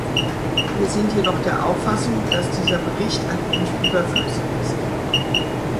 Wir sind jedoch der Auffassung, dass dieser Bericht ein wenig überflüssig ist.